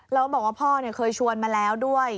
แล้วบอกว่าพ่อเคยชวนมาแล้วด้วย